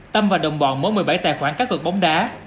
tâm và đồng bọn mỗi một mươi bảy tài khoản cá cược bóng đá